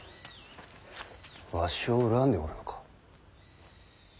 わしを恨んでおるのか？